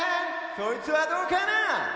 そいつはどうかな